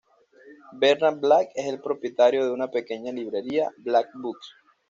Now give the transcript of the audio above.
Bernard Black es el propietario de una pequeña librería, Black Books.